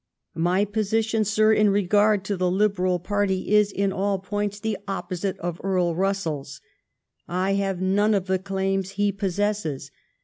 My position, sir, in regard to the Liberal party is in all points the opposite of Earl Russell's. I have none of the claims he possesses.